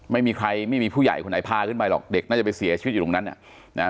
ไม่มีใครไม่มีผู้ใหญ่คนไหนพาขึ้นไปหรอกเด็กน่าจะไปเสียชีวิตอยู่ตรงนั้นน่ะนะฮะ